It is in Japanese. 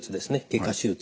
外科手術。